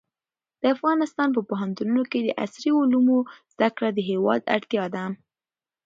د افغانستان په پوهنتونونو کې د عصري علومو زده کړه د هېواد اړتیا ده.